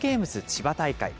千葉大会。